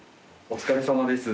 お疲れさまです。